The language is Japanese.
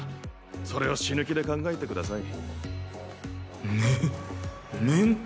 それを死ぬ気で考えてください。